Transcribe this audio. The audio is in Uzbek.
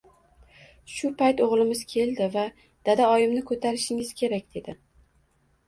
Shu payt o‘g‘limiz keldi va «dada, oyimni ko‘tarishingiz kerak», dedi